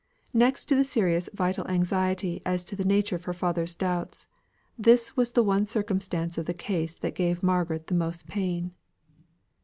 Next to the serious vital anxiety as to the nature of her father's doubts, this was the one circumstance of the case that gave Margaret the most pain.